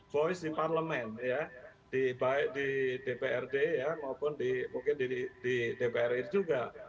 voice di parlemen ya di dprd maupun mungkin di dprd juga